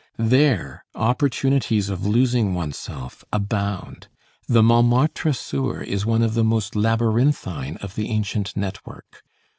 There opportunities of losing oneself abound. The Montmartre sewer is one of the most labyrinthine of the ancient network.